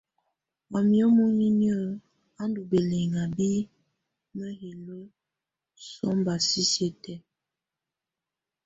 Wamɛ̀á muninyǝ́ á ndù bɛlɛŋa bi mǝjilǝ sɔmba sisiǝ́ tɛ̀á.